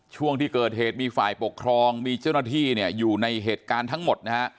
ช่วงที่เกิดเหตุมีฝ่ายปกครองมีเจ้าหน้าที่เนี่ยอยู่ในเหตุการณ์ทั้งหมดนะฮะ